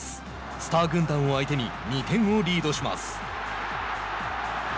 スター軍団を相手に２点をリードします。